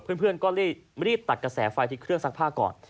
เพื่อนก็รีบตัดกระแสไฟที่เครื่องซักผ้าก่อน